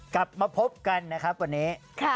กลับมาพบกันนะครับวันนี้